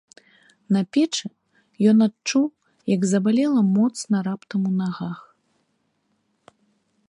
На печы ён адчуў, як забалела моцна раптам у нагах.